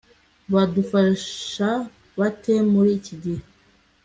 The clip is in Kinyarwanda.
badufasha bate muri iki gihe